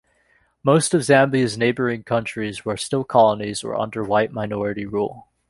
Most of Zambia's neighbouring countries were still colonies or under white minority rule.